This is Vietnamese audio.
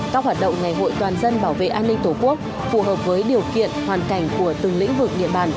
các hoạt động ngày hội toàn dân bảo vệ an ninh tổ quốc phù hợp với điều kiện hoàn cảnh của từng lĩnh vực địa bàn